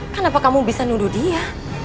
kenapa kamu bisa nuduh dia